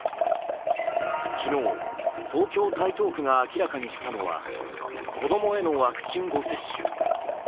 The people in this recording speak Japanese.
昨日、東京・台東区が明らかにしたのは子供へのワクチン誤接種。